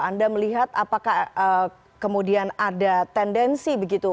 anda melihat apakah kemudian ada tendensi begitu